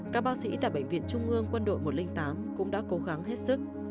các bác sĩ tại bệnh viện trung ương quân đội một trăm linh tám cũng đã cố gắng hết sức